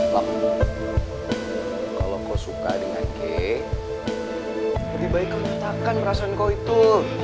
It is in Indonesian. lam kalau kau suka dengan kay lebih baik kau katakan perasaan kau itu